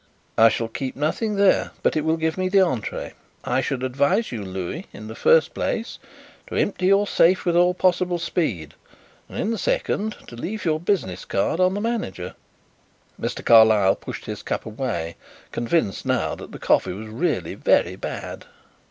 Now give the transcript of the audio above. "I shall keep nothing there, but it will give me the entrée. I should advise you, Louis, in the first place to empty your safe with all possible speed, and in the second to leave your business card on the manager." Mr. Carlyle pushed his cup away, convinced now that the coffee was really very bad.